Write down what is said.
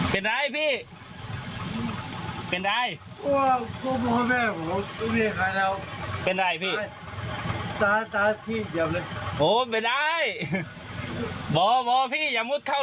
เป็นไงพี่เป็นไงเป็นไงพี่โอ้ไม่ได้บอกบอกพี่อย่ามุดเข้า